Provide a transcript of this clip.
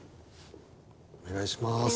お願いします。